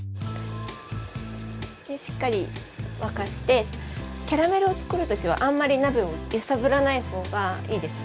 しっかり沸かしてキャラメルを作る時はあんまり鍋を揺さぶらない方がいいです。